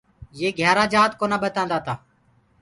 يي گھِيآرآ جآت ڪونآ ٻتآدآتآ۔